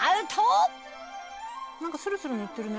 何かスルスル塗ってるね。